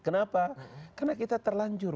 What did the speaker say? kenapa karena kita terlanjur